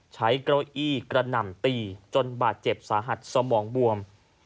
ใช้เก้าอี้กระหน่ำตีจนบาดเจ็บสาหัสสมองบวม